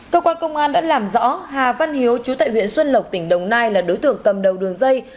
cơ quan công an đã làm rõ hà văn hiếu chú tại huyện xuân lộc tỉnh đồng nai là đối tượng cầm đầu đường dây